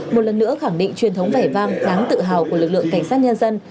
một lần nữa khẳng định truyền thống vẻ vang đáng tự hào của lực lượng cảnh sát nhân dân